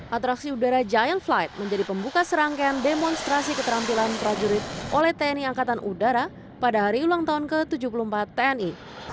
atraksi udara giant flight menjadi pembuka serangkaian demonstrasi keterampilan prajurit oleh tni angkatan udara pada hari ulang tahun ke tujuh puluh empat tni